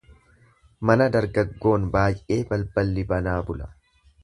Mana dargaggoon baay'ee balballi banaa bula.